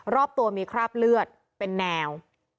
รอบตัวมีคราบเลือดเป็นแนว